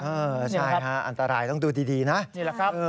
เออใช่ฮะอันตรายต้องดูดีนะนี่แหละครับ